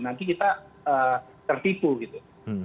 nanti kita tertipu gitu